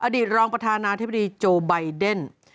ตรองประธานาธิบดีโจไบเดน